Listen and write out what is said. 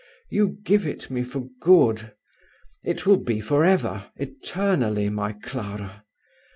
You give it me for good. It will be for ever, eternally, my Clara.